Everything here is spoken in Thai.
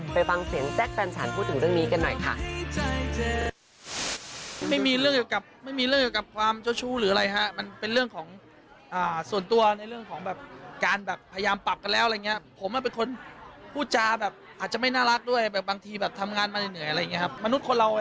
ไปฟังเสียงแจ๊คแฟนฉันพูดถึงเรื่องนี้กันหน่อยค่ะ